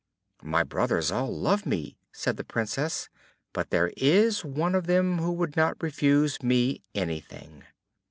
"My brothers all love me," said the Princess, "but there is one of them who would not refuse me anything."